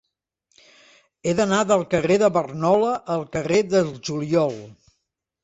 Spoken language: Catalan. He d'anar del carrer de Barnola al carrer del Juliol.